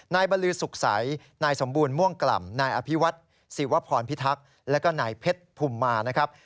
บรือสุขใสนายสมบูรณ์ม่วงกล่ำนายอภิวัฒน์ศิวพรพิทักษ์แล้วก็นายเพชรภูมิมานะครับ